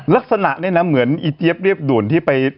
ลักษณะเนี่ยนะเหมือนอีเจี๊ยบเรียบด่วนที่ไป